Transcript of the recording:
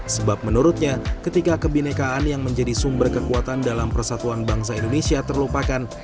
sebab menurutnya ketika kebinekaan yang menjadi sumber kekuatan dalam persatuan bangsa indonesia terlupakan